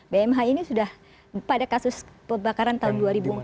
bmh ini sudah pada kasus kebakaran tahun dua ribu empat belas